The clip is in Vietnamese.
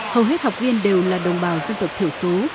hầu hết học viên đều là đồng bào dân tộc thiểu số